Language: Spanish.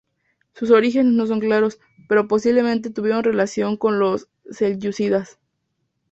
Sus orígenes no son claros, pero posiblemente estuvieron relacionados con los selyúcidas.